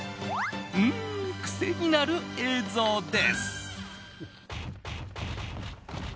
うーん、クセになる映像です！